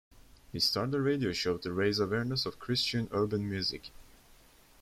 He started a radio show to raise awareness of Christian urban music.